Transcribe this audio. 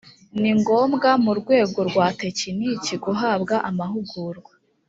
nigombwa mu rwego rwa tekiniki guhabwa amahugurwa.